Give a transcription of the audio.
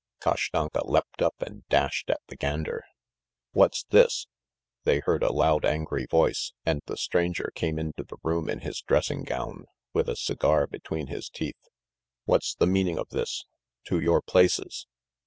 Kashtanka leapt up and dashed at the gander. "What's this?" They heard a loud angry voice, and the stranger came into the room in his dressing gown, with a cigar between his teeth. "What's the meaning of this? To your places!"